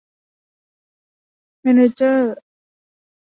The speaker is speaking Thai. แมนเนอร์เจอร์